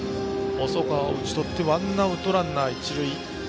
細川を打ち取ってワンアウトランナー、一塁。